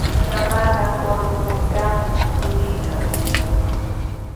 Mamaaqa Corongotrawmi yurirqan.